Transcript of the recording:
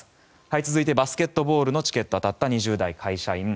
続いてバスケットボールのチケットが当たった２０代、会社員。